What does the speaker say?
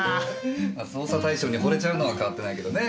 捜査対象に惚れちゃうのは変わってないけどね。